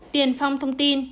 tiền phong thông tin